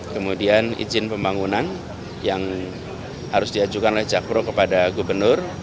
kemudian izin pembangunan yang harus diajukan oleh jakpro kepada gubernur